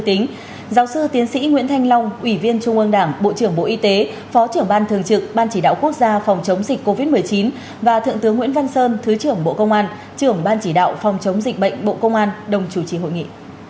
giáo sư tiến sĩ nguyễn thanh long ủy viên trung ương đảng bộ trưởng bộ y tế phó trưởng ban thường trực ban chỉ đạo quốc gia phòng chống dịch covid một mươi chín và thượng tướng nguyễn văn sơn thứ trưởng bộ công an trưởng ban chỉ đạo phòng chống dịch bệnh bộ công an đồng chủ trì hội nghị